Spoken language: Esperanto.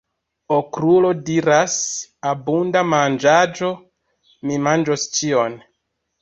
Okrulo diras: "Abunda manĝaĵo! Mi manĝos ĉion!"